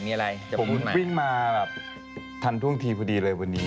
มีอะไรจับรุ่นใหม่ผมวิ่งมาแบบทันพลวงทีพอดีเลยวันนี้